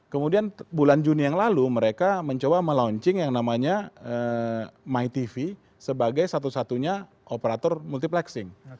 kemudian bulan juni yang lalu mereka mencoba melaunching yang namanya mytv sebagai satu satunya operator multiplexing